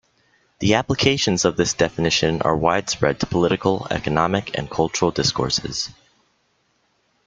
The applications of this definition are widespread to political, economic, and cultural discourses.